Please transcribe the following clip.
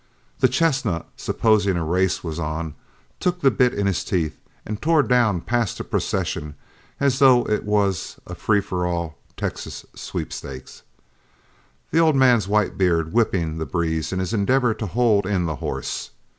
The chestnut, supposing a race was on, took the bit in his teeth and tore down past the procession as though it was a free for all Texas sweepstakes, the old man's white beard whipping the breeze in his endeavor to hold in the horse.